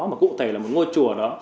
mà cụ thể là một ngôi chùa đó